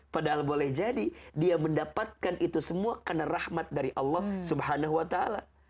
padahal boleh jadi dia mendapatkan itu semua karena rahmat dari allah subhanahu wa ta'ala